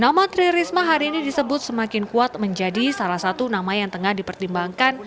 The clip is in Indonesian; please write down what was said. nama tri risma hari ini disebut semakin kuat menjadi salah satu nama yang tengah dipertimbangkan